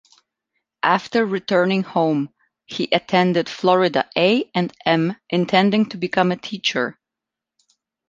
After returning home, he attended Florida A and M intending to become a teacher.